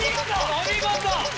お見事！